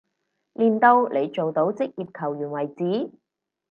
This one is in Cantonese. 練到你做到職業球員為止